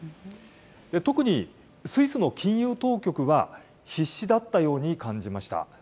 特にスイスの金融当局は、必死だったように感じました。